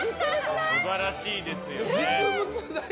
素晴らしいですよね。